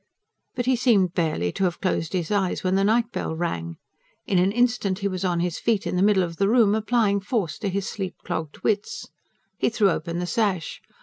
But he seemed barely to have closed his eyes when the night bell rang. In an instant he was on his feet in the middle of the room, applying force to his sleep cogged wits. He threw open the sash.